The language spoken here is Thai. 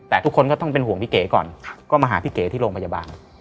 แต่ทุกคนก็ต้องเป็นห่วงพี่เก๋ก่อนก็มาหาพี่เก๋ที่โรงพยาบาล